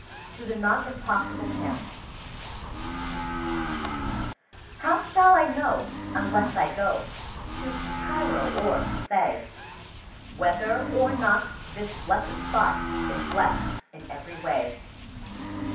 To the Not Impossible Him HOW shall I know, unless I go To Cairo or Cathay, Whether or not this blessèd spot Is blest in every way?